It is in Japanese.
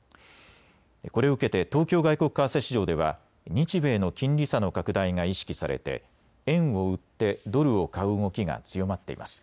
これを受けて東京外国為替市場では日米の金利差の拡大が意識されて円を売ってドルを買う動きが強まっています。